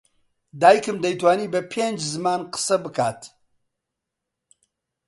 دایکم دەیتوانی بە پێنج زمان قسە بکات.